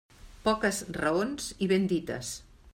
Poques raons i ben dites.